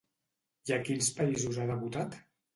I a quins països ha debutat?